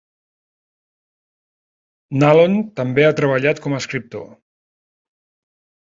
Nallon també ha treballat com a escriptor.